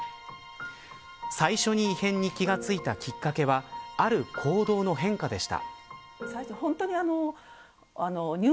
最初に異変に気が付いたきっかけはある行動の変化でした。